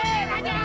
udah hajar aja